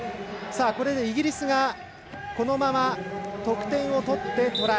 イギリスがこのまま得点を取ってトライ。